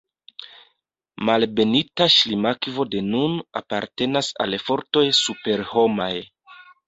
Malbenita Ŝlimakvo de nun apartenas al fortoj superhomaj.